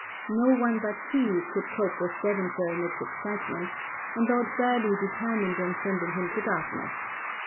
No one but he could cope with Devonshire in its excitement, and Lord Burghley determined on sending him to Dartmouth.